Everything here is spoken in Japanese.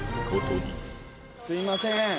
すみません